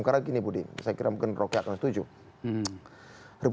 karena gini budi saya kira mungkin roky akan setuju